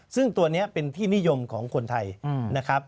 ซึ่งตัวนี้เป็นที่นิยมของคนไทยนะครับ